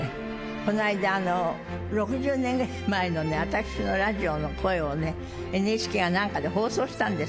この間、６０年ぐらい前のね、私のラジオの声をね、ＮＨＫがなんかで放送したんです。